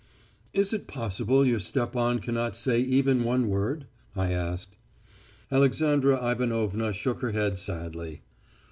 "'Is it possible your Stepan cannot say even one word?' I asked. "Alexandra Ivanovna shook her head sadly.